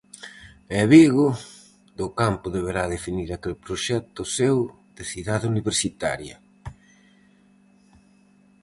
E Vigo, Docampo deberá definir aquel proxecto seu de "Cidade Universitaria".